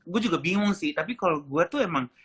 gue juga bingung sih tapi kalau gue tuh emang